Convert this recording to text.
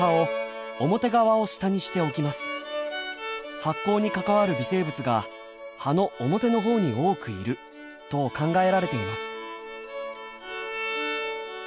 発酵に関わる微生物が葉の表のほうに多くいると考えられています。